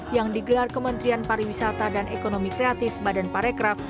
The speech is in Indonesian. yang digelar kementerian pariwisata dan ekonomi kreatif badan parekraf